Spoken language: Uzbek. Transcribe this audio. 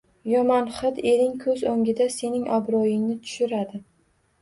Yomon hid ering ko‘z o‘ngida sening obro‘yingni tushiradi.